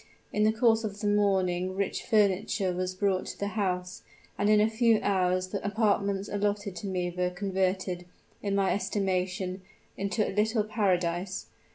In the course of the morning rich furniture was brought to the house, and in a few hours the apartments allotted to me were converted, in my estimation, into a little paradise.